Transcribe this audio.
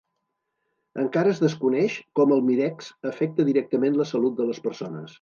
Encara es desconeix com el mirex afecta directament la salut de les persones.